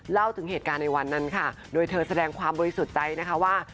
เล่าถึงเหตุการณ์ในวันนั้นค่ะโดยเธอแสดงความบริสุทธิ์ใจนะคะว่า